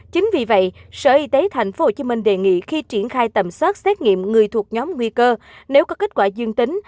chính vì vậy sở y tế tp hcm đề nghị khi triển khai tầm soát xét nghiệm người thuộc nhóm nguy cơ nếu có kết quả dương tính